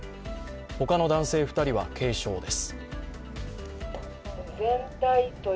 他の男性２人は軽傷です。